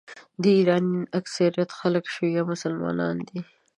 د ایران اکثریت خلک شیعه مسلمانان دي.